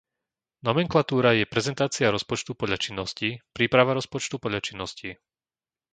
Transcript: Nomenklatúra je prezentácia rozpočtu podľa činností, príprava rozpočtu podľa činností.